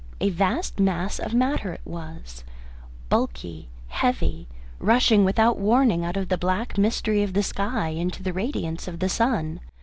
A vast mass of matter it was, bulky, heavy, rushing without warning out of the black mystery of the sky into the radiance of the sun.